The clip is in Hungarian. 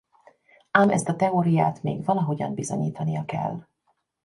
Ám ezt a teóriát még valahogyan bizonyítania kell.